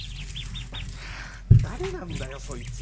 ハァ誰なんだよそいつ！